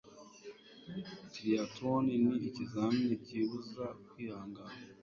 Triathlon ni ikizamini kibuza kwihangana.